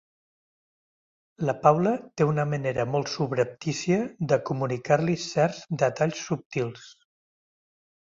La Paula té una manera molt subreptícia de comunicar-li certs detalls subtils.